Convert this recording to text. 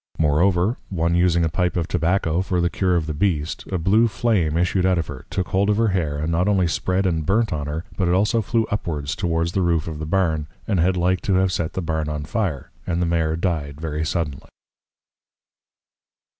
Moreover, one using a Pipe of Tobacco for the Cure of the Beast, a blue Flame issued out of her, took hold of her Hair, and not only spread and burnt on her, but it also flew upwards towards the Roof of the Barn, and had like to have set the Barn on Fire: And the Mare dyed very suddenly.